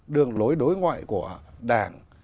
đường lối đối ngoại của đảng